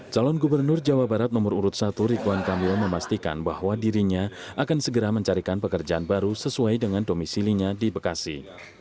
calon gubernur jawa barat nomor urut satu rituan kamil memastikan bahwa dirinya akan segera mencarikan pekerjaan baru sesuai dengan domisilinya di bekasi